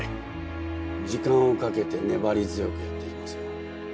時間をかけて粘り強くやっていきますよ。